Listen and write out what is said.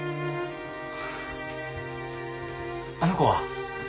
あの子は？